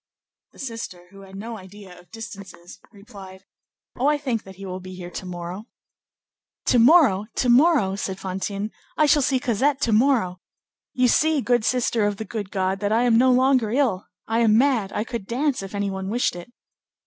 The sister, who had no idea of distances, replied, "Oh, I think that he will be here to morrow." "To morrow! to morrow!" said Fantine, "I shall see Cosette to morrow! you see, good sister of the good God, that I am no longer ill; I am mad; I could dance if any one wished it."